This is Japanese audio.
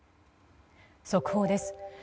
速報です。